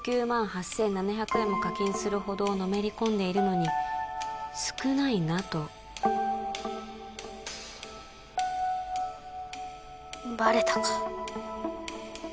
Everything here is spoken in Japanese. １９万８７００円も課金するほどのめり込んでいるのに少ないなとバレたか